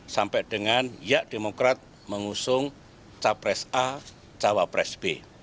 sampai dengan ya demokrat mengusung capres a cawapres b